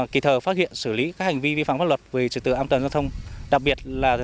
kỹ thờ phát hiện xử lý các hành vi vi phán pháp luật về trực tự an toàn giao thông đặc biệt là